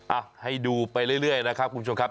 อ่ะให้ดูไปเรื่อยนะครับคุณผู้ชมครับ